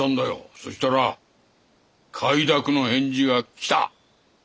そしたら快諾の返事が来た。